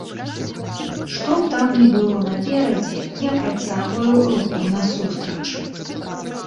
Што б там ні было наперадзе, я працягваю руку насустрач.